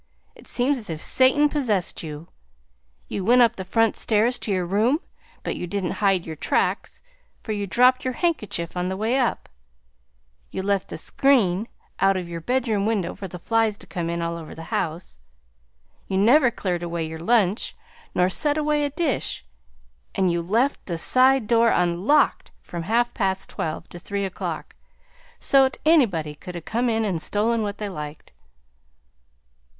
It seems as if Satan possessed you! You went up the front stairs to your room, but you didn't hide your tracks, for you dropped your handkerchief on the way up. You left the screen out of your bedroom window for the flies to come in all over the house. You never cleared away your lunch nor set away a dish, AND YOU LEFT THE SIDE DOOR UNLOCKED from half past twelve to three o'clock, so 't anybody could 'a' come in and stolen what they liked!"